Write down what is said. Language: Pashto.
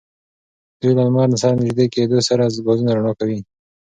دوی له لمر سره نژدې کېدو سره ګازونه رڼا کوي.